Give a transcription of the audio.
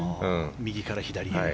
右から左へ。